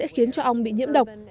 khiến cho ong bị nhiễm độc